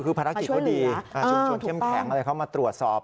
คือภารกิจก็ดีชุดชวนเข้มแข็งเขามาตรวจสอบ